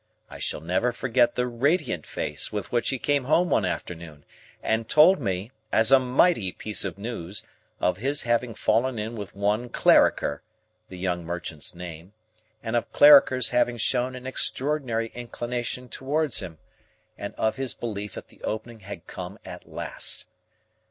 I never shall forget the radiant face with which he came home one afternoon, and told me, as a mighty piece of news, of his having fallen in with one Clarriker (the young merchant's name), and of Clarriker's having shown an extraordinary inclination towards him, and of his belief that the opening had come at last.